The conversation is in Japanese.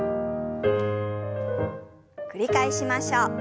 繰り返しましょう。